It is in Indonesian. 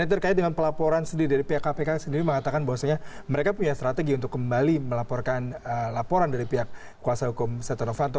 dan terkait dengan pelaporan sendiri dari pihak kpk sendiri mengatakan bahwasanya mereka punya strategi untuk kembali melaporkan laporan dari pihak kuasa hukum setia novanto